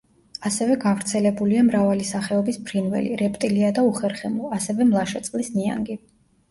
ასევე გავრცელებულია მრავალი სახეობის ფრინველი, რეპტილია და უხერხემლო, ასევე მლაშე წყლის ნიანგი.